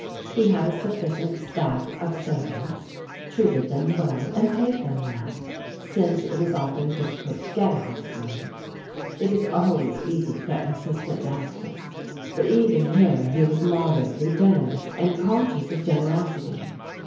He had a sufficient staff of servants, treated them well, and paid them well, since it is often difficult to get a housemaid. It is always easy to get an assistant master, but even here he was moderately generous and conscious of generosity.